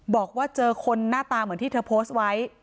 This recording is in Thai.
บอกว่าเจอคนหน้าตาเหมือนที่เธอโพสต์ไว้